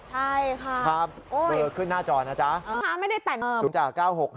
ใช่ค่ะครับเปิดขึ้นหน้าจอนะจ๊ะไม่ได้แต่จุงจาก๙๖๕๘๒๒๕